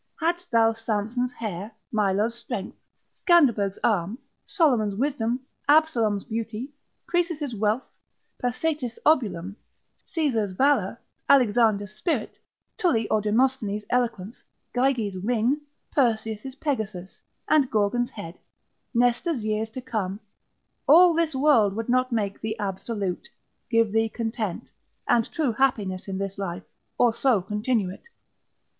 Hadst thou Sampson's hair, Milo's strength, Scanderbeg's arm, Solomon's wisdom, Absalom's beauty, Croesus' wealth, Pasetis obulum, Caesar's valour, Alexander's spirit, Tully's or Demosthenes' eloquence, Gyges' ring, Perseus' Pegasus, and Gorgon's head, Nestor's years to come, all this would not make thee absolute; give thee content, and true happiness in this life, or so continue it.